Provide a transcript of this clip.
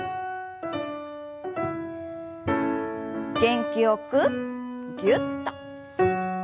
元気よくぎゅっと。